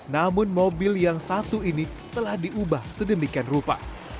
namun mobil yang satu ini telah diubah sedemikian rupa